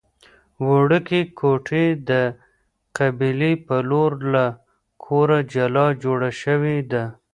وړوکې کوټه د قبلې په لور له کوره جلا جوړه شوې ده.